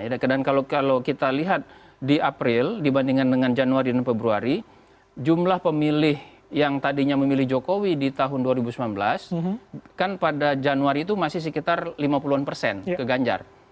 ya dan kalau kita lihat di april dibandingkan dengan januari dan februari jumlah pemilih yang tadinya memilih jokowi di tahun dua ribu sembilan belas kan pada januari itu masih sekitar lima puluh an persen ke ganjar